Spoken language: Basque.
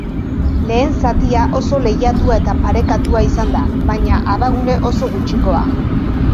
Lehen zatia oso lehiatua eta parekatua izan da, baina abagune oso gutxikoa.